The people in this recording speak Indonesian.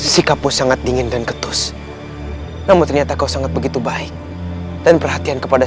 sikapmu sangat dingin dan ketus namun ternyata kau sangat begitu baik dan perhatian kepada